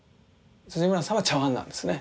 辻村さんは茶碗なんですね。